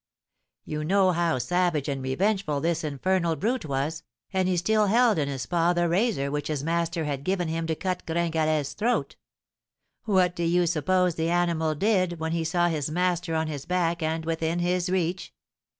You know how savage and revengeful this infernal brute was, and he still held in his paw the razor which his master had given him to cut Gringalet's throat. What do you suppose the animal did when he saw his master on his back and within his reach?